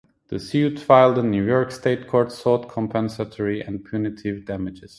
The suit, filed in New York State Court, sought compensatory and punitive damages.